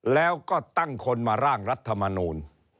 แล้วก็ตั้งคนมาร่างรัฐมนูล